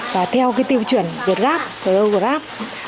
và theo cái tiêu chuẩn việt gáp cờ âu việt gáp